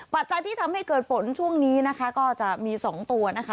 ปัจจัยที่ทำให้เกิดฝนช่วงนี้นะคะก็จะมีสองตัวนะคะ